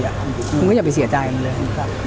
คุณก็อย่าไปเสียใจมันเลย